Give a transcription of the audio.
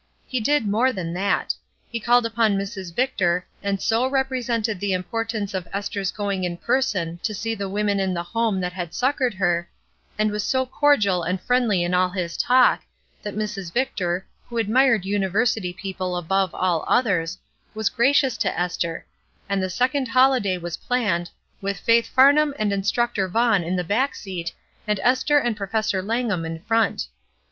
He did more than that : he called upon Mrs. Victor and so represented the importance of Esther's going in person to see the women in the home that had succored her, and was so cordial and friendly in all his talk, that Mrs. Victor, who admired university people above all others, was gracious to Esther, and the second holi day was planned, with Faith Farnham and Instructor Vaughn on the back seat, and Esther and Professor Langham in front.